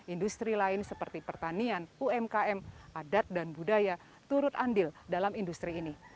industri lain seperti pertanian umkm adat dan budaya turut andil dalam industri ini